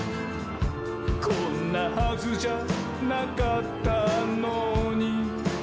「こんなはずじゃなかったのに」